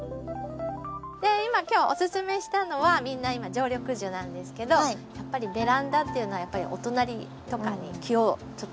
今日おすすめしたのはみんな常緑樹なんですけどやっぱりベランダっていうのはお隣とかに気をちょっと遣いますよね。